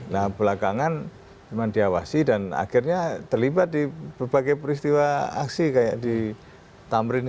nah belakangan memang diawasi dan akhirnya terlibat di berbagai peristiwa aksi kayak di tamrin